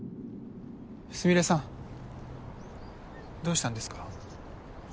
スミレさんどうしたんですか？